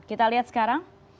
kita lihat sekarang